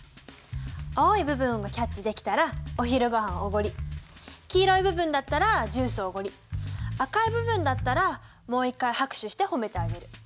青い部分がキャッチできたらお昼ごはんおごり黄色い部分だったらジュースおごり赤い部分だったらもう一回拍手して褒めてあげる。